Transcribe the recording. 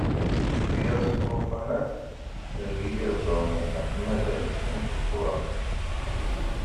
Tiyaḍ s lufanat deg yirebbawen-nsent mazal kfin tuṭḍa.